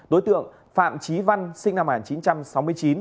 đối tượng phạm trí văn sinh năm một nghìn chín trăm sáu mươi chín